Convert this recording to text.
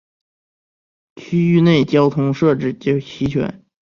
区域内交通设置齐全。